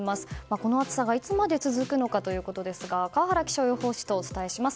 この暑さがいつまで続くのかということですが川原気象予報士とお伝えします。